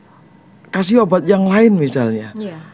coba dikasih obat yang lain misalnya